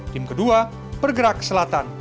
tim kedua bergerak ke selatan